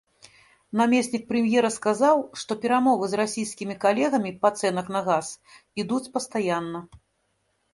Намеснік прэм'ера сказаў, што перамовы з расійскімі калегамі па цэнах на газ ідуць пастаянна.